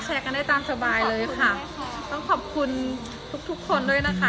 สวัสดีครับทุกคน